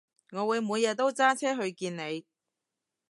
我會每日都揸車去見你